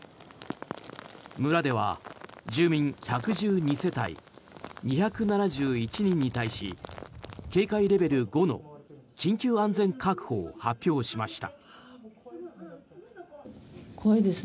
村では住民１１２世帯２７１人に対し警戒レベル５の緊急安全確保を発表しました。